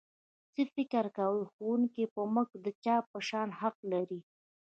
څه فکر کوئ ښوونکی په موږ د چا په شان حق لري؟